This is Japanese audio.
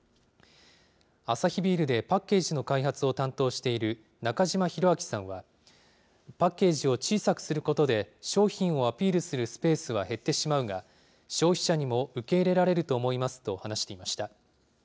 アサヒビールでパッケージの開発を担当している、中島宏章さんは、パッケージを小さくすることで、商品をアピールするスペースは減ってしまうが、消費者にも受け入れられると思いますと話していました。